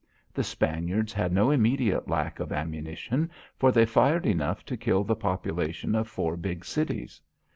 The Spaniards had no immediate lack of ammunition, for they fired enough to kill the population of four big cities.